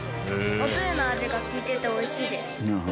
おつゆの味が利いてて美味しいです。